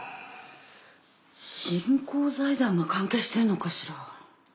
振興財団が関係してんのかしら？